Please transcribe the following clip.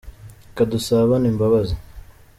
reka dusabane imbabazi.